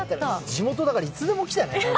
地元だからいつでも来てね。